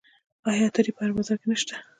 آیا عطاري په هر بازار کې نشته؟